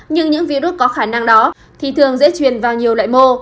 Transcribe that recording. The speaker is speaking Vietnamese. nhưng những virus có khả năng đó thì thường dễ truyền vào nhiều loại mô